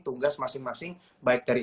tugas masing masing baik dari